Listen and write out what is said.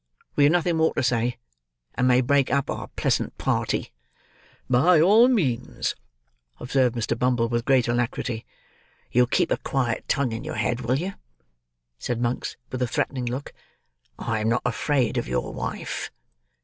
We have nothing more to say, and may break up our pleasant party." "By all means," observed Mr. Bumble, with great alacrity. "You'll keep a quiet tongue in your head, will you?" said Monks, with a threatening look. "I am not afraid of your wife."